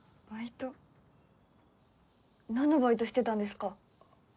何のバイトしてたんですか？